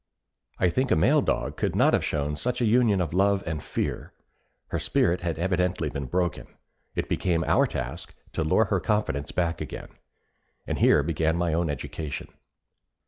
I think a male dog could not have shown such a union of love and fear; her spirit had evidently been broken; it became our task to lure her confidence back again and here began my own education.